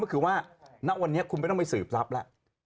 ก็คือว่าณวันนี้คุณไม่ต้องไปสืบทรัพย์แล้ว